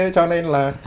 cho nên là